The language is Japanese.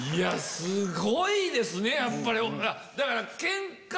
すごいですねやっぱり。